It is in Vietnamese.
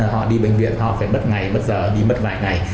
họ đi bệnh viện họ phải mất ngày mất giờ đi mất vài ngày